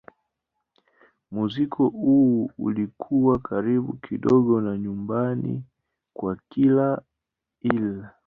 Muziki huo ulikuwa karibu kidogo na nyumbani kwa kina Hill.